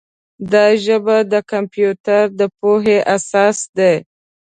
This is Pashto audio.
دا ژبه د کمپیوټر د پوهې اساس دی.